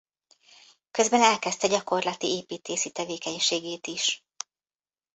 Közben elkezdte gyakorlati építészi tevékenységét is.